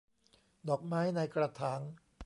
ดอกไม้ในกระถาง